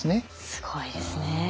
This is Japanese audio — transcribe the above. すごいですね。